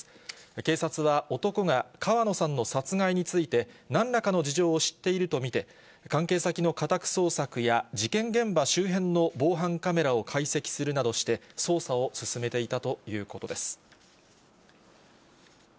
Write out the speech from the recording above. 警察は、男が川野さんの殺害について、なんらかの事情を知っていると見て、関係先の家宅捜索や事件現場周辺の防犯カメラを解析するなどして、捜査を進めていたということです。